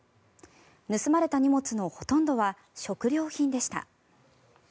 盗まれた荷物のほとんどは食料品でした。